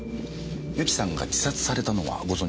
由紀さんが自殺されたのはご存じなんですよね？